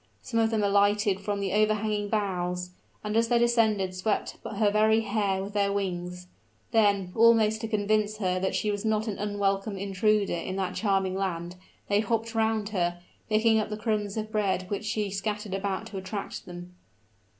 Some of them alighted from the overhanging boughs, and as they descended swept her very hair with their wings; then, almost to convince her that she was not an unwelcome intruder in that charming land, they hopped round her, picking up the crumbs of bread which she scattered about to attract them.